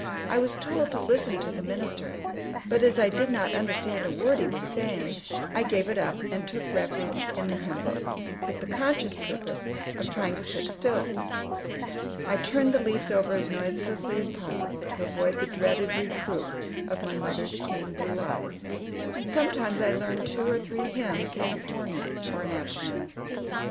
I was told to listen to the minister; but as I did not understand a word he was saying, I gave it up, and took refuge in the hymn book, with the conscientious purpose of trying to sit still. I turned the leaves over as noiselessly as possible, to avoid the dreaded reproof of my mother's keen blue eyes; and sometimes I learned two or three hymns in a forenoon or an afternoon.